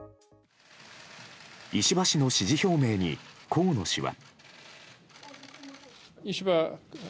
石破氏の支持表明に河野氏は。